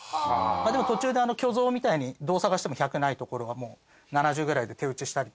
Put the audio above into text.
でも途中で巨像みたいにどう探しても１００ないところはもう７０ぐらいで手打ちしたり。